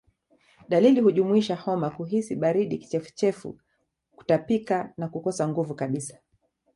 Dalili hujumuisha homa kuhisi baridi kichefuchefu Kutapika na kukosa nguvu kabisa